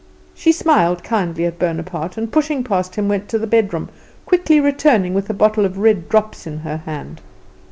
She smiled kindly at Bonaparte, and pushing past him, went to the bedroom, quickly returning with a bottle of red drops in her hand.